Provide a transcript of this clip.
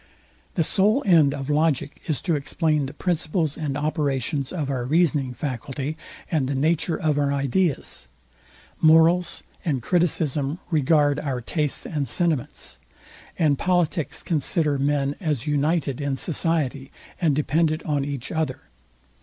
The sole end of logic is to explain the principles and operations of our reasoning faculty, and the nature of our ideas: morals and criticism regard our tastes and sentiments: and politics consider men as united in society, and dependent on each other.